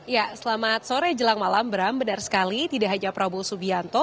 ya selamat sore jelang malam bram benar sekali tidak hanya prabowo subianto